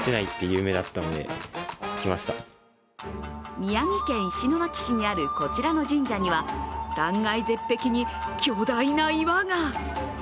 宮城県石巻市にあるこちらの神社には断崖絶壁に巨大な岩が。